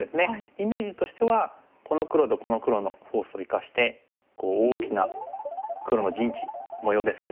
イメージとしてはこの黒とこの黒のフォースを生かして大きな黒の陣地模様ですかね。